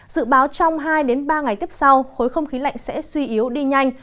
dự báo trong hai ba ngày tiếp sau khối không khí lạnh sẽ suy yếu đi nhanh